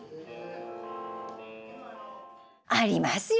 ありますよ